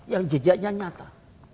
yang jejaknya nyata